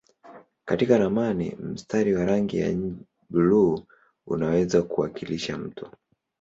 Katika ramani mstari wa rangi ya buluu unaweza kuwakilisha mto.